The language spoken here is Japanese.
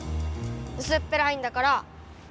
うすっぺらいんだから！